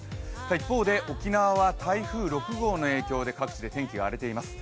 一方で沖縄は台風６号の影響で各地天気が荒れています。